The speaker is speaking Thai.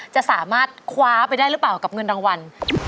จะสามารถคว้าไปได้หรือเปล่ากับเงินรางวัล